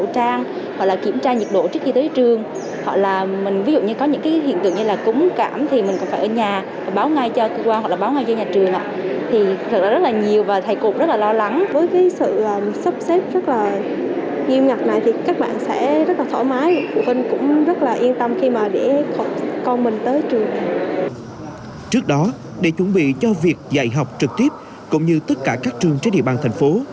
trước đó để chuẩn bị cho việc dạy học trực tiếp cũng như tất cả các trường trên địa bàn thành phố